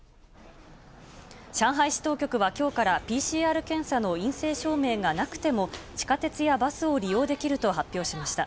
上海市当局はきょうからＰＣＲ検査の陰性証明がなくても、地下鉄やバスを利用できると発表しました。